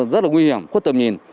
rất là nguy hiểm khuất tầm nhìn